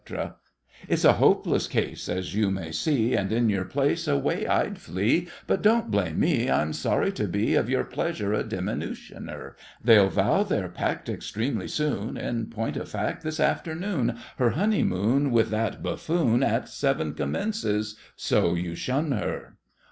It's a hopeless case, As you may see, And in your place Away I'd flee; But don't blame me— I'm sorry to be Of your pleasure a diminutioner. They'll vow their pact Extremely soon, In point of fact This afternoon. Her honeymoon With that buffoon At seven commences, so you shun her!